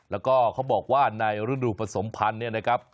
แล้วก็เขาบอกว่าในฤดูผสมพันธุ์เนี่ยนะครับ